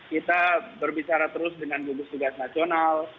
kita berbicara terus dengan gugus tugas nasional